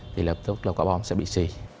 thì hợp thức là quả bom sẽ bị xì